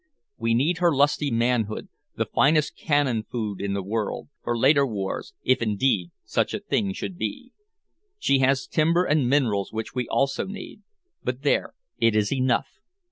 We need her lusty manhood, the finest cannon food in the world, for later wars, if indeed such a thing should be. She has timber and minerals which we also need. But there it is enough.